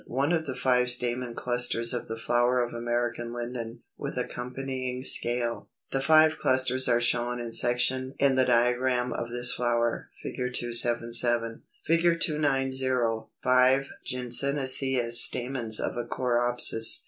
One of the five stamen clusters of the flower of American Linden, with accompanying scale. The five clusters are shown in section in the diagram of this flower, Fig. 277.] [Illustration: Fig. 290. Five syngenesious stamens of a Coreopsis.